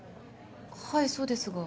はいそうですが。